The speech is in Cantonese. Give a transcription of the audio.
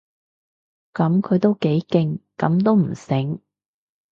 噉佢都幾勁，噉都唔醒